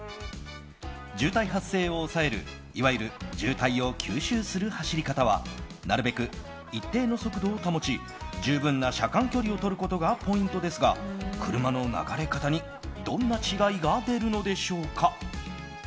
渋滞発生を抑えるいわゆる渋滞を吸収する走り方はなるべく一定の速度を保ち十分な車間距離をとることがポイントですが車の流れ方にどんな違いが出るのでしょうか。